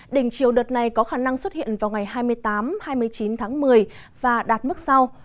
đỉnh chiều đợt này có khả năng xuất hiện vào ngày hai mươi tám hai mươi chín tháng một mươi và đạt mức sau